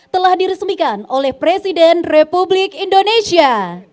telah diresmikan oleh presiden republik indonesia